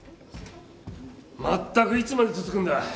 まったくいつまで続くんだ。